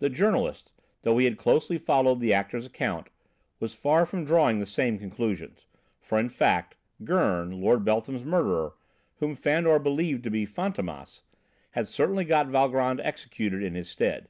The journalist, though he had closely followed the actor's account, was far from drawing the same conclusions. For in fact, Gurn, Lord Beltham's murderer, whom Fandor believed to be Fantômas, had certainly got Valgrand executed in his stead.